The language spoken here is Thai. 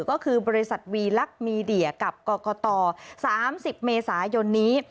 ก็คือบริษัทวีลักษณ์มีเดียกับกรกต๓๐เมษายนนี้